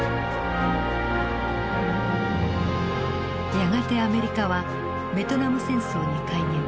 やがてアメリカはベトナム戦争に介入。